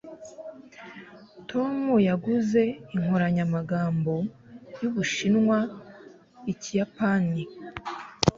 tom yaguze inkoranyamagambo y'ubushinwa-ikiyapani